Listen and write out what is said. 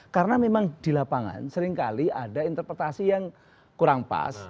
karena memang di lapangan seringkali ada interpretasi yang kurang pas